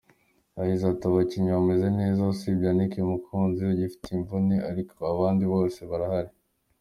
Yagize ati“Abakinnyi bameze neza usibye Yannick Mukunzi ugifite imvune ariko abandi bose barahari.